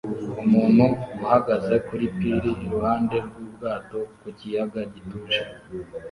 Umuntu uhagaze kuri pir iruhande rw'ubwato ku kiyaga gituje